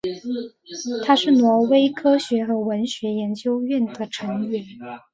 他是挪威科学和文学研究院的成员。